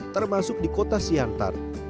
termasuk di kota siantar